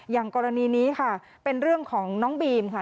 อย่างกรณีนี้ค่ะเป็นเรื่องของน้องบีมค่ะ